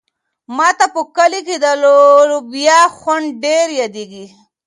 ما ته په کلي کې د لوبیا خوند ډېر یادېږي.